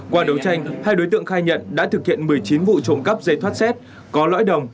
qua đấu tranh hai đối tượng khai nhận đã thực hiện một mươi chín vụ trộm cắp dây thoát xét có lõi đồng